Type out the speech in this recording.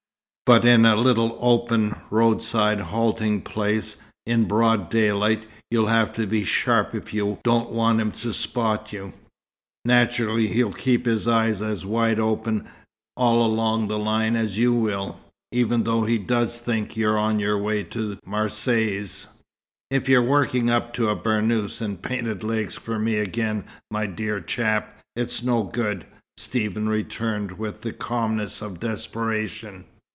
But in a little open, road side halting place, in broad daylight, you'll have to be sharp if you don't want him to spot you. Naturally he'll keep his eyes as wide open, all along the line, as you will, even though he does think you're on the way to Marseilles." "If you're working up to a burnous and painted legs for me again, my dear chap, it's no good," Stephen returned with the calmness of desperation.